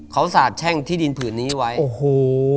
เขาสาบแช่งที่ดินผืนนี้ไว้โอ้โห